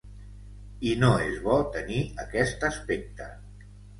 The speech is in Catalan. I no és bo tenir aquest aspecte.